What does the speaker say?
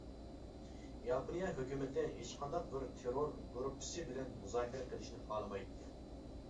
ياپونىيە ھۆكۈمىتى ھېچقانداق بىر تېررور گۇرۇپپىسى بىلەن مۇزاكىرە قىلىشنى خالىمايتتى.